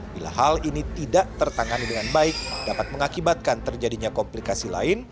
bila hal ini tidak tertangani dengan baik dapat mengakibatkan terjadinya komplikasi lain